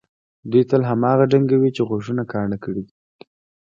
دوی تل هماغه ډنګوي چې غوږونه کاڼه کړي دي.